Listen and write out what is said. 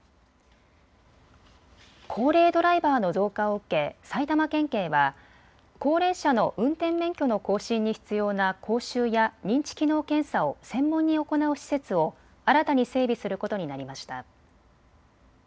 高齢ドライバーの増加を受け埼玉県警は高齢者の運転免許の更新に必要な講習や認知機能検査を専門に行う施設を新たに整備することになりました。